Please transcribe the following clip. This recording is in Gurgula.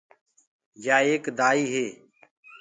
يآ ايڪ دآئي هي۔